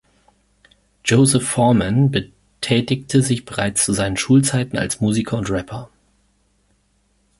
Joseph Foreman betätigte sich bereits zu seinen Schulzeiten als Musiker und Rapper.